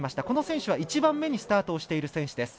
この選手は１番目にスタートしてる選手。